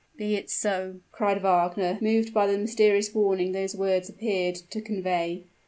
"Be it so!" cried Wagner, moved by the mysterious warning those words appeared to convey.